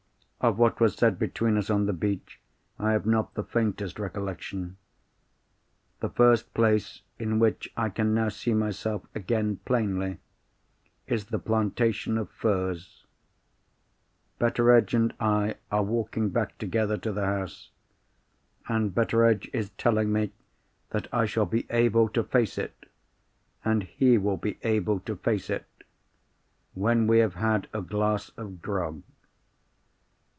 Of what was said between us on the beach, I have not the faintest recollection. The first place in which I can now see myself again plainly is the plantation of firs. Betteredge and I are walking back together to the house; and Betteredge is telling me that I shall be able to face it, and he will be able to face it, when we have had a glass of grog.